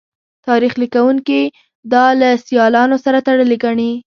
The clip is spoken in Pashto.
تاریخ لیکوونکي دا له سیالانو سره تړلې ګڼي